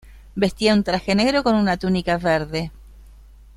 Vestía un traje rojo con una túnica verde.